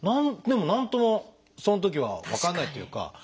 でも何ともそのときは分かんないっていうか